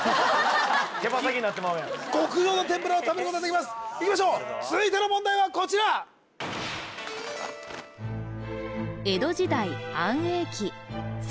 極上の天ぷらを食べることができますいきましょう続いての問題はこちら江戸時代安永期